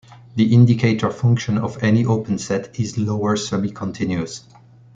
The indicator function of any open set is lower semicontinuous.